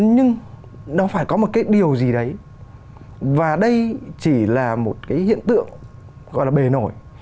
nhưng nó phải có một cái điều gì đấy và đây chỉ là một cái hiện tượng gọi là bề nổi